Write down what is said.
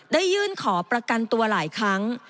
ยื่นขอประกันตัวหลายครั้ง